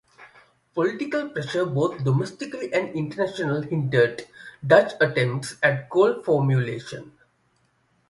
Political pressures, both domestic and international, hindered Dutch attempts at goal formulation.